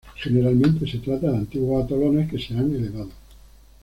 Generalmente se trata de antiguos atolones que se han elevado.